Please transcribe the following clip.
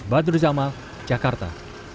badru zamal jakarta